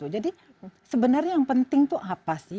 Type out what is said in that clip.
jadi sebenarnya yang penting itu apa sih